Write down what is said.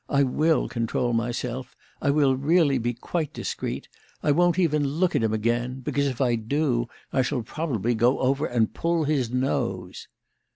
"I will control myself; I will really be quite discreet. I won't even look at him again because, if I do, I shall probably go over and pull his nose."